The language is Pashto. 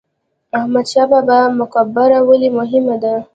احمد شاه بابا مقبره ولې مهمه ده؟